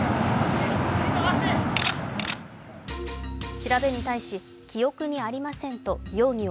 調べに対し、記憶にありませんと容疑を